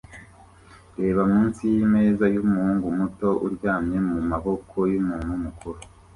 Reba munsi yimeza yumuhungu muto uryamye mumaboko yumuntu mukuru